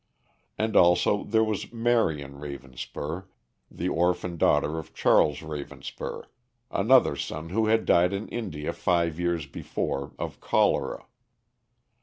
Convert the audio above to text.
And also there was Marion Ravenspur, the orphan daughter of Charles Ravenspur, another son who had died in India five years before of cholera.